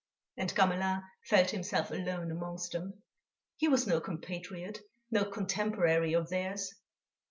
And Gamelin felt himself alone amongst them; he was no compatriot, no contemporary of theirs.